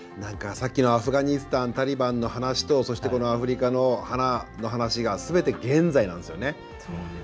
さっきのアフガニスタンタリバンの話とそして、アフリカの花の話がすべて現在なんですよね。